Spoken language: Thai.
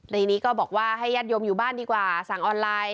ในนี้ก็บอกว่าให้ญาติโยมอยู่บ้านดีกว่าสั่งออนไลน์